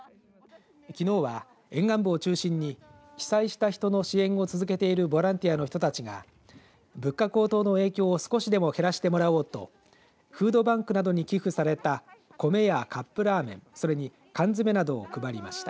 きのうは沿岸部を中心に被災した人の支援を続けているボランティアの人たちが物価高騰の影響を少しでも減らしてもらおうとフードバンクなどに寄付された米やカップラーメンそれに缶詰などを配りました。